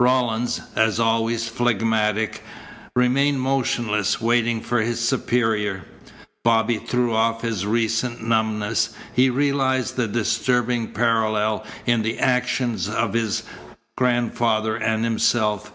Rawlins, as always phlegmatic, remained motionless, waiting for his superior. Bobby threw off his recent numbness. He realized the disturbing parallel in the actions of his grandfather and himself.